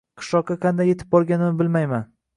Qishloqqa qanday yetib borganimni bilmayman.